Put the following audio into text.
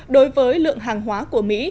đối với lượng hàng hóa của mỹ